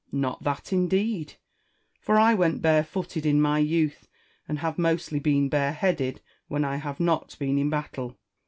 Not that, indeed ; for I went barefooted in my youth, and have mostly been bareheaded when I have not been in battle.